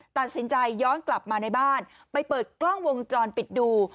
ตัดสินใจย้อนกลับมาในบ้านไปเปิดกล้องวงจรปิดดู